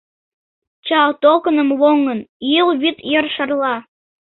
Чал толкыным лоҥын, Юл вӱд йыр шарла